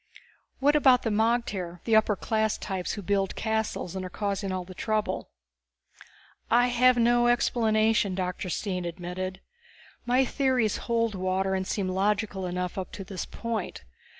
"What about the magter, the upper class types who build castles and are causing all this trouble?" "I have no explanation," Dr. Stine admitted. "My theories hold water and seem logical enough up to this point.